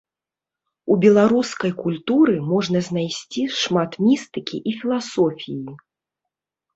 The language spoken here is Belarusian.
У беларускай культуры можна знайсці шмат містыкі і філасофіі.